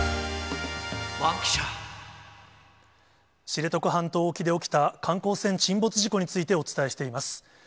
知床半島沖で起きた観光船沈没事故についてお伝えしています。